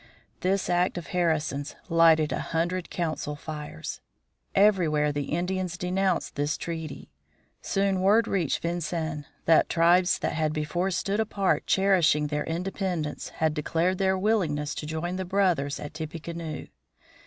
This act of Harrison's lighted a hundred council fires. Everywhere the Indians denounced this treaty. Soon word reached Vincennes that tribes that had before stood apart cherishing their independence had declared their willingness to join the brothers at Tippecanoe.